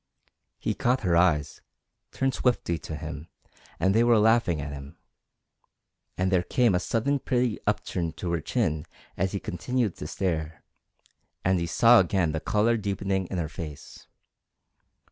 He caught her eyes, turned swiftly to him, and they were laughing at him, and there came a sudden pretty upturn to her chin as he continued to stare, and he saw again the colour deepening in her face.